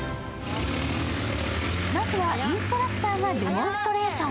まずはインストラクターがデモンストレーション。